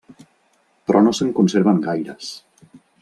Però no se'n conserven gaires.